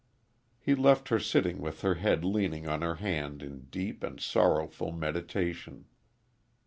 He left her sitting with her head leaning on her hand in deep and sorrowful meditation.